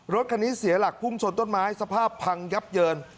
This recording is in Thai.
รถคันนี้เสียหลักพุ่งชนต้นไม้สภาพพังยับเยิน